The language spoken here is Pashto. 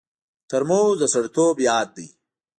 ترموز د سړیتوب یاد دی.